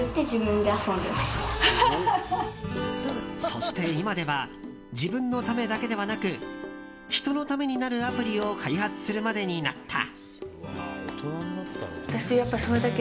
そして、今では自分のためだけではなく人のためになるアプリを開発するまでになった。